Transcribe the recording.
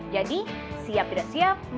jadi siap tidak siap